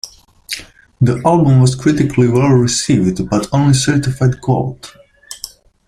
The album was critically well-received, but only certified gold.